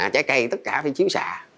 trái cây tất cả phải chiếu xạ